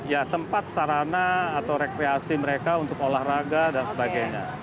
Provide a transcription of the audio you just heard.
ya tempat sarana atau rekreasi mereka untuk olahraga dan sebagainya